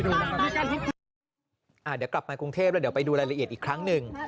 เดี๋ยวกลับมากรุงเทพแล้วเดี๋ยวไปดูรายละเอียดอีกครั้งหนึ่ง